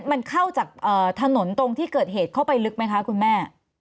มันเข้าจากถนนตรงที่เกิดเหตุเข้าไปลึกไหมคะคุณแม่